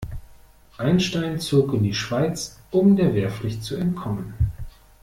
Einstein zog in die Schweiz, um der Wehrpflicht zu entkommen.